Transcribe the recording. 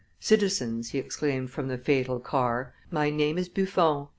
"Citizens," he exclaimed from the fatal car, "my name is Buffon."